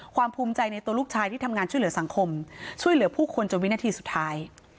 ภูมิใจในตัวลูกชายที่ทำงานช่วยเหลือสังคมช่วยเหลือผู้คนจนวินาทีสุดท้าย